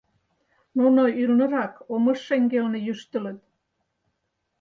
Нуно ӱлнырак, омыж шеҥгелне, йӱштылыт.